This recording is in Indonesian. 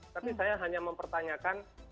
tapi saya hanya mempertanyakan